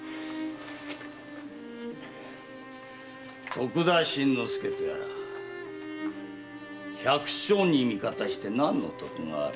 徳田新之助とやら百姓に味方して何の得がある？